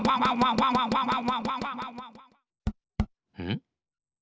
ん？